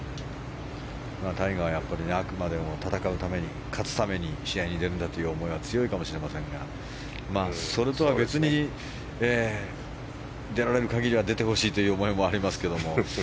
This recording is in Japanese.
タイガーはあくまでも戦うために勝つために、試合に出るんだという思いは強いかもしれませんがそれとは別に、出られる限りは出てほしいという思いもありますけれども。